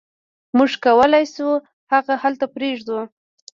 موږ کولی شو هغه هلته پریږدو